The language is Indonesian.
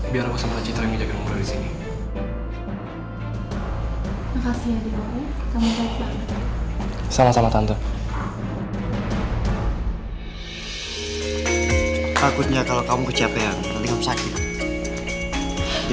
biar aku sama raja terangin jagain om rai disini